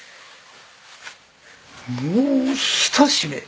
もうひと締め。